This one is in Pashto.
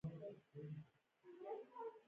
ایا ستاسو کالي پاک نه دي؟